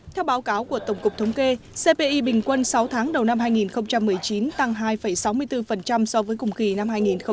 theo báo cáo của tổng cục thống kê cpi bình quân sáu tháng đầu năm hai nghìn một mươi chín tăng hai sáu mươi bốn so với cùng kỳ năm hai nghìn một mươi tám